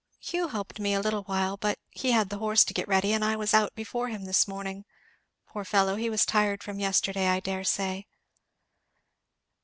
"Hugh helped me a little while; but he had the horse to get ready, and I was out before him this morning poor fellow, he was tired from yesterday, I dare say."